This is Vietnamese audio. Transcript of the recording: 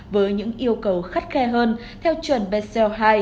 với những yêu cầu khắt khe hơn theo chuẩn bseo hai